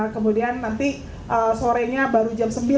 kemudian nanti sorenya baru jam sembilan